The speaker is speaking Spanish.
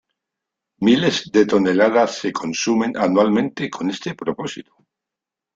Miles de toneladas se consumen anualmente con este propósito.